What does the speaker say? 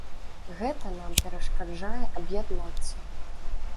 Гэта нам перашкаджае аб'яднацца.